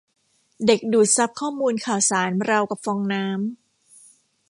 เด็กดูดซับข้อมูลข่าวสารราวกับฟองน้ำ